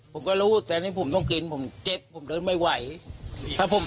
ผมก็รู้แต่นี่ผมต้องกินผมเจ็บผมเดินไม่ไหวถ้าผม